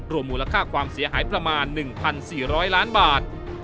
มูลค่าความเสียหายประมาณ๑๔๐๐ล้านบาท